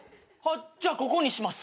じゃあここにします。